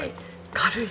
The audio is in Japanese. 軽い。